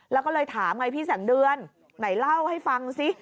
แล้วก็เลยถามไงพี่แสงเดือนไหนเล่าให้ฟังซิ